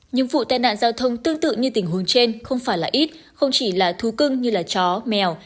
những vụ tai nạn giao thông tương tự như tình huống trên không phải là ít không chỉ là thú cưng như chó mèo